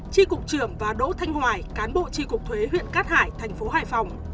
tri cục trưởng và đỗ thanh hoài cán bộ tri cục thuế huyện cát hải thành phố hải phòng